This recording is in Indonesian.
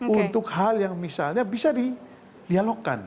untuk hal yang misalnya bisa di dialogkan